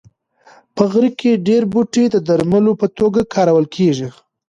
په غره کې ډېر بوټي د درملو په توګه کارول کېږي.